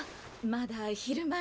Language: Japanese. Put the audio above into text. まだ昼前。